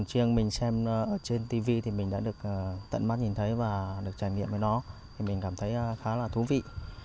khiêng mình xem ở trên tv thì mình đã được tận mắt nhìn thấy và được trải nghiệm với nó thì mình cảm thấy khá là thú vị